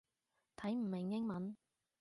睇唔明英文